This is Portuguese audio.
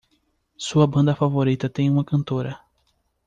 Sua banda favorita tem uma cantora.